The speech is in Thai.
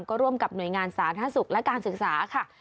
ก็ร่วมกับหน่วยงานสาธารณสุขและการศึกษาค่ะ